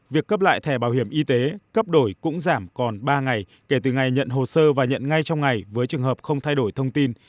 việc cấp lại thẻ bảo hiểm y tế cấp đổi cũng giảm còn ba ngày kể từ ngày nhận hồ sơ và nhận ngay trong ngày với trường hợp không thay đổi thông tin